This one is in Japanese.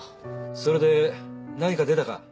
それで何か出たか？